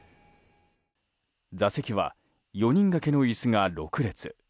座席は４人掛けの椅子が６列。